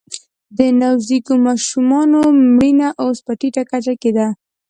د نوزیږو ماشومانو مړینه اوس په ټیټه کچه کې ده